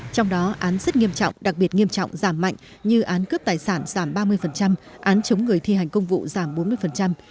trong đó án rất nghiêm trọng đặc biệt nghiêm trọng giảm mạnh như án cướp tài sản giảm ba mươi án chống người thi hành công vụ giảm bốn mươi